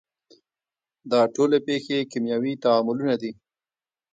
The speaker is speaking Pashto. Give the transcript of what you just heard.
دا ټولې پیښې کیمیاوي تعاملونه دي.